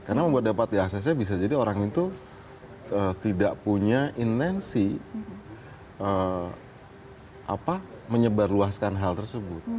karena membuat dapat diaksesnya bisa jadi orang itu tidak punya intensi menyebarluaskan hal tersebut